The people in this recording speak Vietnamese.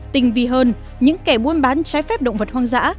tinh vi hơn những kẻ buôn bán trái phép động vật hoang dã